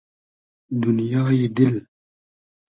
دونیای دیل